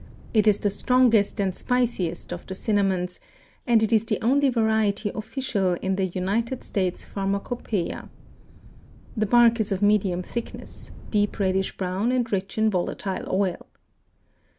It is the strongest and spiciest of the cinnamons and it is the only variety official in the United States Pharmacopoeia. The bark is of medium thickness, deep reddish brown and rich in volatile oil.